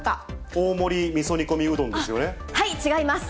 大盛りみそ煮込みうどんですはい、違います。